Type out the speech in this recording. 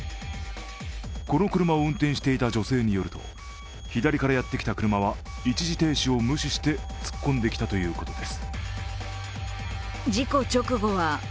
この車を運転していた女性によると左からやってきた車は一時停止を無視して突っ込んできたということです。